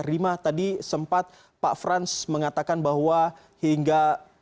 rima tadi sempat pak frans mengatakan bahwa hingga